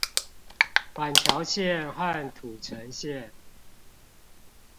板橋線和土城線